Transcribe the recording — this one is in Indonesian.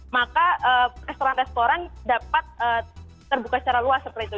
maka restoran restoran dapat terbuka secara luas seperti itu